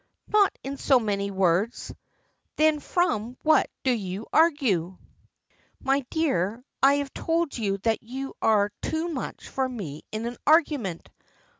"Not in so many words." "Then from what do you argue?" "My dear, I have told you that you are too much for me in argument!